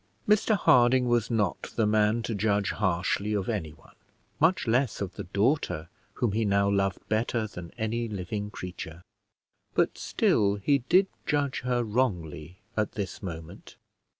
Mr Harding was not the man to judge harshly of anyone, much less of the daughter whom he now loved better than any living creature; but still he did judge her wrongly at this moment.